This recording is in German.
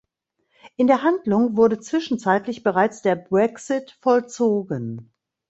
In der Handlung wurde zwischenzeitlich bereits der Brexit vollzogen.